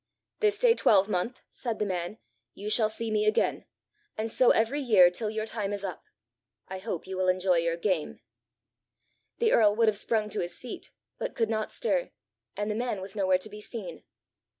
'This day twelvemonth,' said the man, 'you shall see me again; and so every year till your time is up. I hope you will enjoy your game!' The earl would have sprung to his feet, but could not stir, and the man was nowhere to be seen.